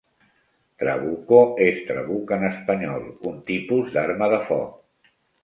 Trabuco és trabuc en espanyol, un tipus d'arma de foc.